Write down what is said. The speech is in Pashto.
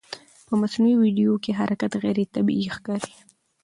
په مصنوعي ویډیو کې حرکت غیر طبیعي ښکاري.